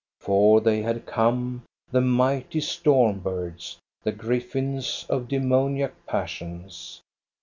For they had come, the mighty storm birds, the griffins of demoniac passions.